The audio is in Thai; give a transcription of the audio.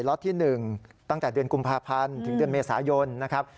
ล็อตที่๑ตั้งแต่เดือนกุมภาพันธ์ถึงเดือนเมษายนนะครับ